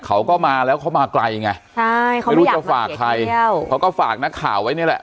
เขาก็มาแล้วเขามาไกลไงใช่เขาไม่อยากมาเกียรติแค่ใครเขาก็ฝากนักข่าวไว้นี่แหละ